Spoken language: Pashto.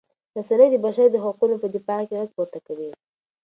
رسنۍ د بشر د حقونو په دفاع کې غږ پورته کوي.